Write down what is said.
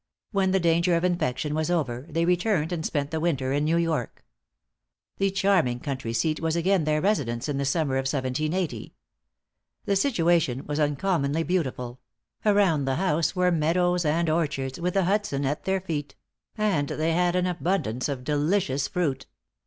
When the danger of infection was over, they returned and spent the winter in New York. The charming country seat was again their residence in the summer of 1780. The situation was uncommonly beautiful; around the house were meadows and orchards, with the Hudson at their feet; and they had abundance of delicious fruit.